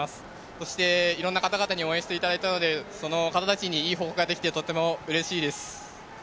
そして、いろいろな方々に応援していただいたので、その方たちにいい報告ができて、とってもうれしいです。